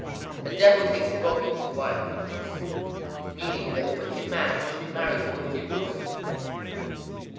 _ A devil takes a goblin to wife. Meaning that a wicked man usually marries a wicked woman.